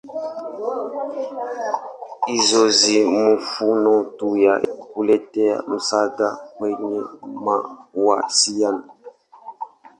Hizo si mifumo tu ya kuleta msaada kwenye mawasiliano.